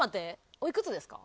おいくつですか？